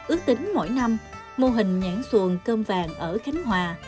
ước tính mỗi năm mô hình nhãn xuồng cơm vàng ở khánh hòa